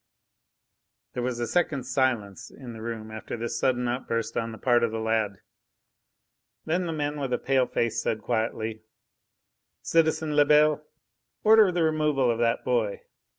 There was a second's silence in the room after this sudden outburst on the part of the lad. Then the man with the pale face said quietly: "Citizen Lebel, order the removal of that boy.